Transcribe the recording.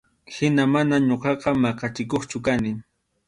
Hina mana ñuqaqa maqachikuqchu kani.